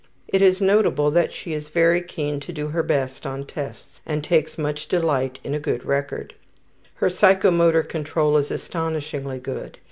It is notable that she is very keen to do her best on tests and takes much delight in a good record. Her psychomotor control is astonishingly good.